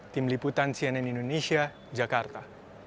tim liputan cnn indonesia jakarta